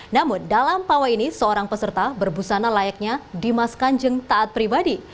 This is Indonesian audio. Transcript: namun dalam pawai ini seorang peserta berbusana layaknya dimas kanjeng taat pribadi